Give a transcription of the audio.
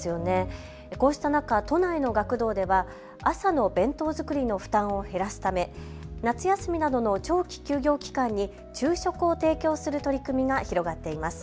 こうした中、都内の学童では朝の弁当作りの負担を減らすため夏休みなどの長期休業期間に昼食を提供する取り組みが広がっています。